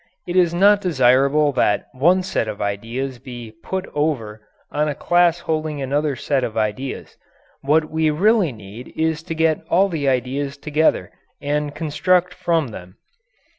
It is not desirable that one set of ideas be "put over" on a class holding another set of ideas. What we really need is to get all the ideas together and construct from them.